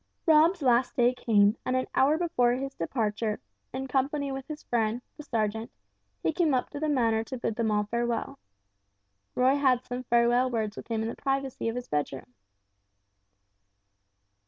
Rob's last day came, and an hour before his departure, in company with his friend, the sergeant, he came up to the Manor to bid them all farewell. Roy had some farewell words with him in the privacy of his bedroom.